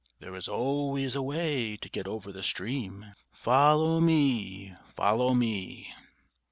[Illustration: "There is always a way to get over the stream, Follow me! Follow me!"